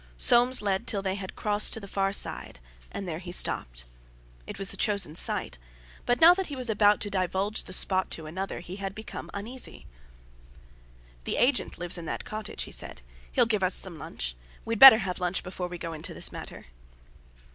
Soames led till they had crossed to the far side, and there he stopped. It was the chosen site; but now that he was about to divulge the spot to another he had become uneasy. "The agent lives in that cottage," he said; "he'll give us some lunch—we'd better have lunch before we go into this matter."